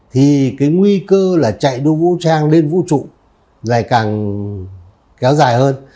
thì cái nguy cơ là chạy đua vũ trang lên vũ trụ lại càng kéo dài hơn